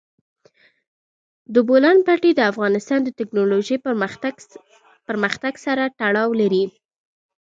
د بولان پټي د افغانستان د تکنالوژۍ پرمختګ سره تړاو لري.